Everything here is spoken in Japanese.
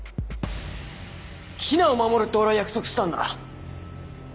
ヒナを守るって俺は約束したんだ。